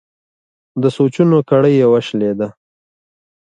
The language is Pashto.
د سوچونو کړۍ یې وشلېده.